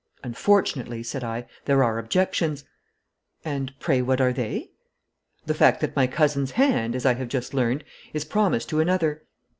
'Unfortunately,' said I, 'there are objections.' 'And pray what are they?' 'The fact that my cousin's hand, as I have just learned, is promised to another.'